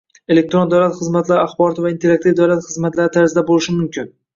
Elektron davlat xizmatlari axborot va interaktiv davlat xizmatlari tarzida bo‘lishi mumkin.